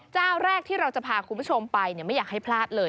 เจ้าแรกที่เราจะพาคุณผู้ชมไปไม่อยากให้พลาดเลย